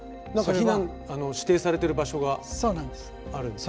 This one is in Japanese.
指定されてる場所があるんですよね。